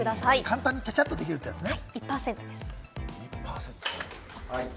簡単にちゃちゃっとできるってやつですね。